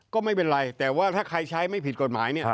ก็ไม่เป็นไรแต่ว่าถ้าใครใช้ไม่ผิดกฎหมายเนี่ย